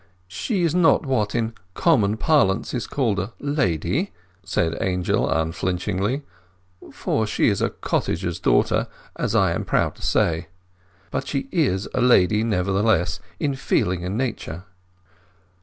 "She is not what in common parlance is called a lady," said Angel, unflinchingly, "for she is a cottager's daughter, as I am proud to say. But she is a lady, nevertheless—in feeling and nature."